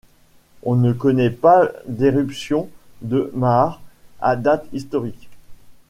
On ne connaît pas d’éruption de maar à date historique.